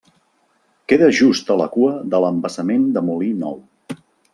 Queda just a la cua de l'Embassament de Molí Nou.